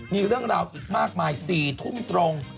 มีเรื่องราวอีกมากมาย๔ทุ่มตรง